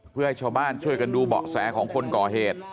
เพื่อให้ชาวบ้านช่วยกันดูเบาะแสของคนก่อเหตุ